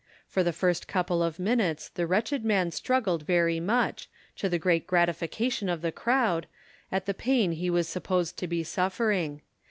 For the first couple of minutes, the wretched man struggled very much, to the great gratification of the crowd, at the pain he was supposed to be suffering.